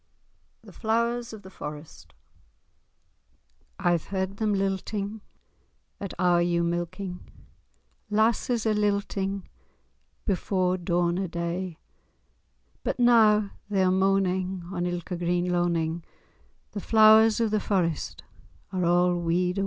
*THE FLOWERS OF THE FOREST* I've heard them lilting, at our ewe milking, Lasses a' lilting, before dawn o' day; But now they are moaning on ilka green loaning[#] The Flowers of the Forest are a' wede away.